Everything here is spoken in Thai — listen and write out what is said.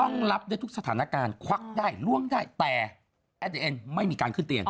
ต้องรับทุกสถานการณ์ควักได้ล้วงได้แต่ไม่มีการขึ้นเตียง